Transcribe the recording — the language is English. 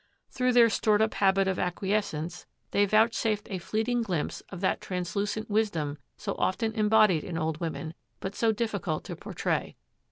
Through their stored up habit of acquiescence, they vouchsafed a fleeting glimpse of that translucent wisdom so often embodied in old women, but so difficult to portray.